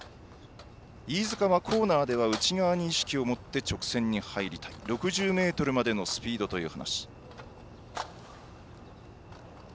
飯塚はコーナーでは内側に意識を持って直線に入りたい６０ｍまでのスピードという話。